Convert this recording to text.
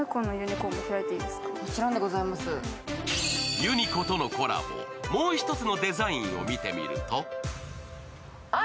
ユニコとのコラボ、もう一つのデザインを見てみると？